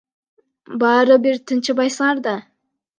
Баары бир тынчыбайсыңар да.